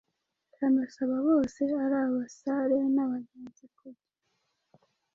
anasaba bose ari abasare n’abagenzi kurya